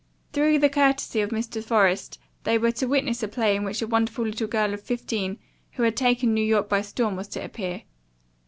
Through the courtesy of Mr. Forest they were to witness a play in which a wonderful little girl of fifteen who had taken New York by storm was to appear.